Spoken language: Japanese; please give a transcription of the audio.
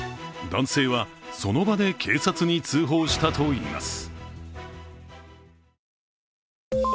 男性は、その場で警察に通報したといいます。